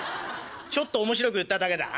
ちょっと面白く言っただけだああ。